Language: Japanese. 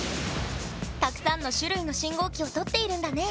たくさんの種類の信号機を撮っているんだね。